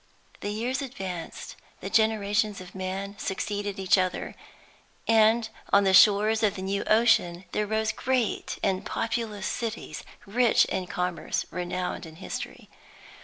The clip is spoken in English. The years advanced, the generations of man succeeded each other; and on the shores of the new ocean there rose great and populous cities, rich in commerce, renowned in history.